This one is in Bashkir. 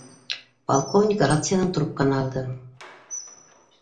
— Полковник рациянан трубканы алды